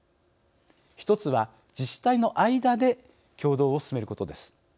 １つは、自治体の間で協働を進めることです。